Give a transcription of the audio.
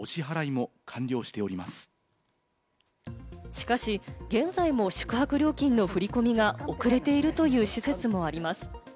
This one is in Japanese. しかし、現在も宿泊料金の振り込みが遅れているという施設もあります。